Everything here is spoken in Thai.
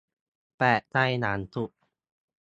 แปลกใจอย่างสุด